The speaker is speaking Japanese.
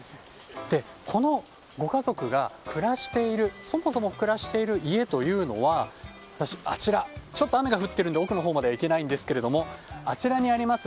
このご家族が、そもそも暮らしている家というのはあちら、雨が降っているので奥のほうまでは行けないんですがあちらにあります